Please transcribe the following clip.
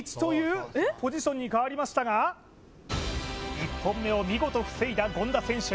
１本目を見事防いだ権田選手。